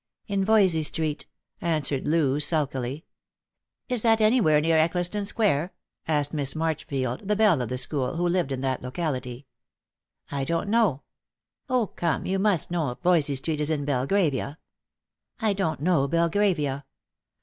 " In Yoysey street," answered Loojsulkily. "Is that anywhere near Eccleston square P " asked Miss Marchfield, the belle of the school, who lived in that locality. " I don't know." " 0, come, you must know if Yoysey street is in Belgravia." " I don't know Belgravia."